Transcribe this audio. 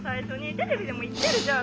テレビでも言ってるじゃん。